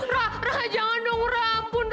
rah jangan dong rah